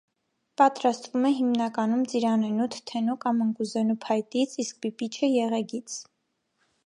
Պատրաստվում է հիմնականում ծիրանենու, թթենու կամ ընկուզենու փայտից, իսկ պիպիչը՝ եղեգից։